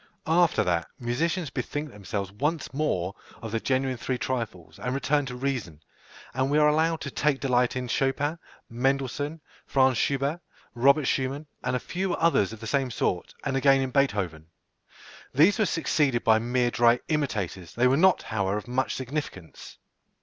_ After that, musicians bethink themselves once more of the genuine three trifles, and return to reason, and we are allowed to take delight in Chopin, Mendelssohn, Fr. Schubert, Robert Schumann, and a few others of the same sort, and again in Beethoven. These were succeeded by mere dry imitators; they were not, however, of much significance.